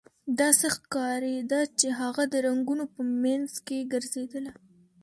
داسې ښکاریده چې هغه د رنګونو په مینځ کې ګرځیدلې